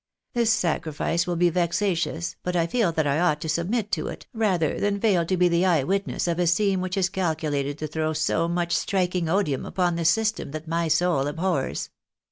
This sacrifice will be vexatious, but I feel that I ought to submit to it, rather than fail to be the eyewitness of a scene which is calculated to throw so much striking odium upon the system that my soul abhors.